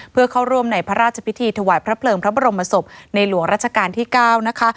เพื่อเข้าร่วมในพระราชพิธีถวายพระเพลิงพระบรมศพในหลวงราชการที่๙นะคะ